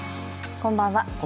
こんばんは。